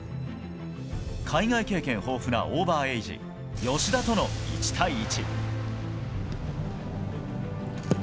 海外経験豊富なオーバーエージ吉田との１対１。